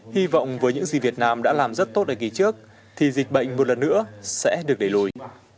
hy vọng với những gì việt nam đã làm rất tốt ở kỳ trước thì dịch bệnh một lần nữa sẽ được đẩy lùi